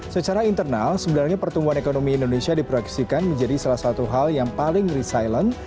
secara internal sebenarnya pertumbuhan ekonomi indonesia diproyeksikan menjadi salah satu hal yang paling resilent